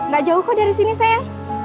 gak jauh kok dari sini saya